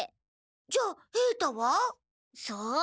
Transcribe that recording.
じゃあ平太は？さあ？